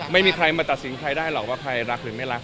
ไม่มีใครมาตัดสินใครได้หรอกว่าใครรักหรือไม่รัก